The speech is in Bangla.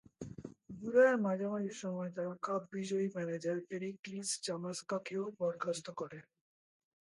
জুলাই মাসের মাঝামাঝি সময়ে তারা কাপ বিজয়ী ম্যানেজার পেরিক্লিস চামাসকাকেও বরখাস্ত করে।